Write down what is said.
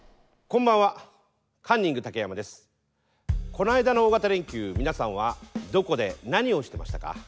この間の大型連休皆さんはどこで何をしてましたか？